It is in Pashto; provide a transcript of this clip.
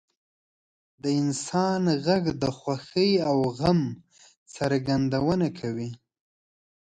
• د انسان ږغ د خوښۍ او غم څرګندونه کوي.